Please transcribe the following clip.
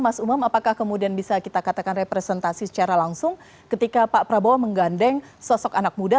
mas umam apakah kemudian bisa kita katakan representasi secara langsung ketika pak prabowo menggandeng sosok anak muda